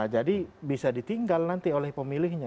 jadi bisa ditinggal nanti oleh pemilihnya